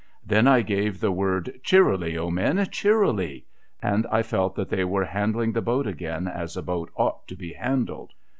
Then I gave the word * Cheerily, O men. Cheerily !' and I felt that they were handling the boat again as a boat ought to be handled.